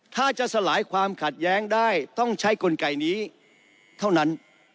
ถ้าจะสลายความขัดแย้งได้ต้องใช้กลไกนี้เท่านั้น